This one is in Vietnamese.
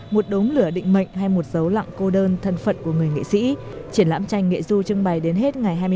một đống lửa định mệnh hay một dấu lặng cô đơn thân phận của người nghệ sĩ